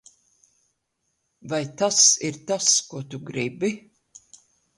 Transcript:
Vai tas ir tas, ko tu gribi?